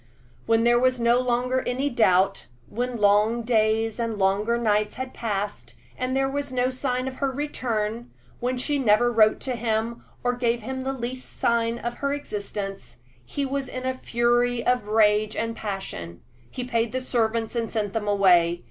When there was no longer any doubt when long days and longer nights had passed, and there was no sign of her return when she never wrote to him or gave him the least sign of her existence, he was in a fury of rage and passion. He paid the servants and sent them away.